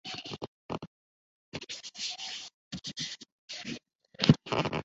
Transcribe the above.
ஆதலால் பொறுத்தாற்றும் பண்பைப் பெற வலிமையை வளர்த்துக்கொள்ள வேண்டும் தூய்மையை வளர்த்துக்கொள்ள வேண்டும்.